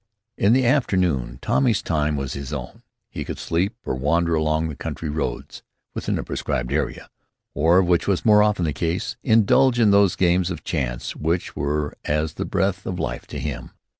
In the afternoon Tommy's time was his own. He could sleep, or wander along the country roads, within a prescribed area, or, which was more often the case, indulge in those games of chance which were as the breath of life to him.